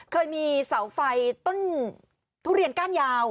เคยมีเสาไฟต้นทุเรียนก้านยาว